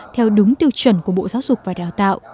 theo đúng tiêu chuẩn của bộ giáo dục và đào tạo